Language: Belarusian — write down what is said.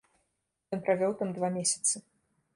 Ён правёў там два месяцы.